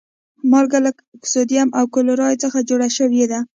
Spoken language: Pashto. مالګه له سودیم او کلورین څخه جوړه شوی ده